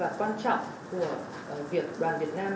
và quan trọng của việc đoàn việt nam